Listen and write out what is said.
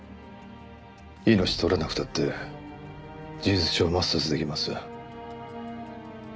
命取らなくたって事実上抹殺できます。